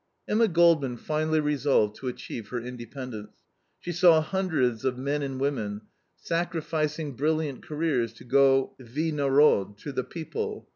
Emma Goldman finally resolved to achieve her independence. She saw hundreds of men and women sacrificing brilliant careers to go V NAROD, to the people.